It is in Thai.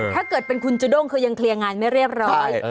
ถ้าเกิดเป็นคุณจูด้งคือยังเคลียร์งานไม่เรียบร้อย